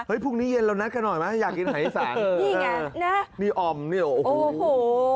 เฮ้ยพรุ่งนี้เย็นเรานัดกันหน่อยไหมอยากกินอาหารอีสานนี่ไงนะนี่ออมเนี่ยโอ้โห